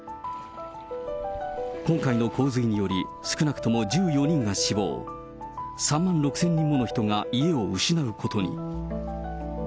今回の洪水により、少なくとも１４人が死亡、３万６０００人もの人が家を失うことに。